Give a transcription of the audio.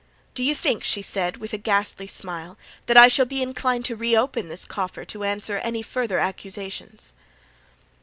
Do you think," she said, with a ghastly smile, "that I shall be inclined to reopen this coffer to answer any future accusations?"